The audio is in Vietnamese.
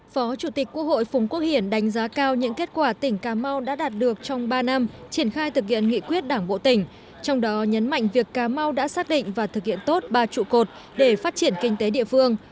phó chủ tịch quốc hội phùng quốc hiển đánh giá cao những kết quả tỉnh cà mau đã đạt được trong ba năm triển khai thực hiện nghị quyết đảng bộ tỉnh trong đó nhấn mạnh việc cà mau đã xác định và thực hiện tốt ba trụ cột để phát triển kinh tế địa phương